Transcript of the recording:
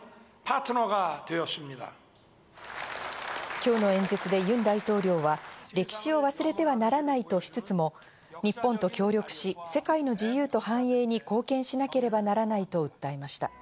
今日の演説でユン大統領は歴史を忘れてはならないとしつつも、日本と協力し、世界の自由と繁栄に貢献しなければならないと訴えました。